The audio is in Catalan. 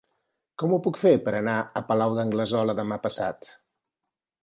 Com ho puc fer per anar al Palau d'Anglesola demà passat?